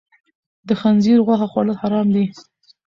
د خنزیر غوښه خوړل حرام دي.